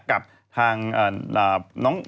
กับทาง